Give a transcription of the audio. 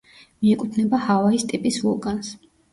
მიეკუთვნება ჰავაის ტიპის ვულკანს.